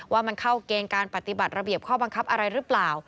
ว่ามันเข้าเกณฑ์การปฏิบัติระเบียบข้อบังคับอะไรหรือเปล่า